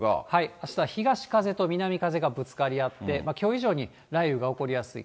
あしたは東風と南風がぶつかり合って、きょう以上に雷雨が起こりやすい。